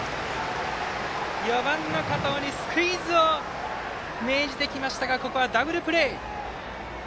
４番の加藤にスクイズを命じてきましたがダブルプレー。